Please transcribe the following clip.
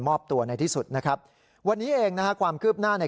ตัวในที่สุดนะครับวันนี้เองนะฮะความคืบหน้าใน